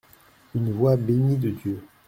Une voix bénie de Dieu !